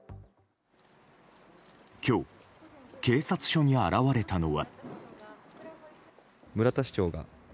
今日、警察署に現れたのは。